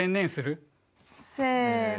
せの。